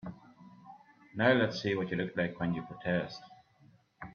Now let's see what you look like when you protest.